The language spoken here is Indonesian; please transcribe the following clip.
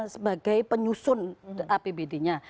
sebagai penyusun apbd nya